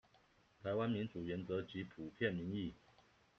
臺灣民主原則及普遍民意